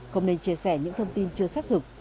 không nên chia sẻ những thông tin chưa xác thực